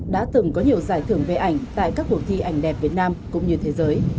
đã từng có nhiều giải thưởng về ảnh tại các cuộc thi ảnh đẹp việt nam cũng như thế giới